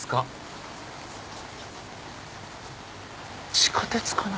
地下鉄かな。